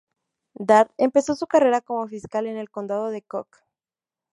Dart empezó su carrera como fiscal en el condado de Cook.